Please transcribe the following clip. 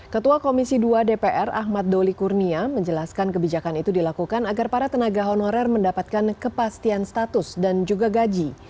ketua komisi dua dpr ahmad doli kurnia menjelaskan kebijakan itu dilakukan agar para tenaga honorer mendapatkan kepastian status dan juga gaji